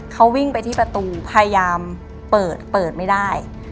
เขาวิ่งไปที่ประตูพยายามเปิดเปิดไม่ได้